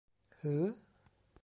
หือ ?